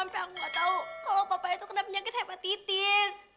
aku gak tau kalau papa itu kena penyakit hepatitis